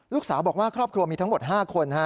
ลูกสาวบอกว่าครอบครัวมีทั้งหมด๕คน